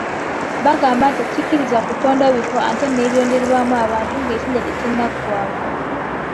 Bagamba nti tekikkirizibwa kutondawo bifo ate ne birondebwamu abantu ng'ekisanja tekinnaggwaako.